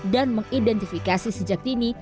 dan mengidentifikasi sejak dini